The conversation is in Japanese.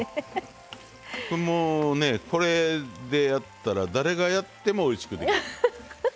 これもうねこれでやったら誰がやってもおいしくできます。